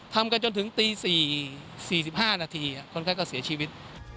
ทำกันจนถึงตี๔๕นาทีคนไข้ก็เสียชีวิต